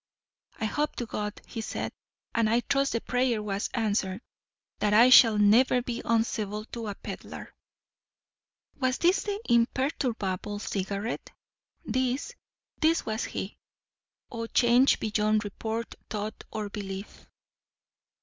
'I hope to God,' he said,—and I trust the prayer was answered,—'that I shall never be uncivil to a pedlar.' Was this the imperturbable Cigarette? This, this was he. O change beyond report, thought, or belief!